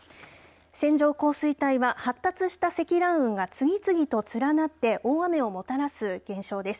線状降水帯は、発達した積乱雲が次々と連なって大雨をもたらす現象です。